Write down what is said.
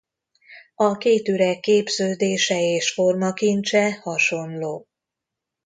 A két üreg képződése és formakincse hasonló.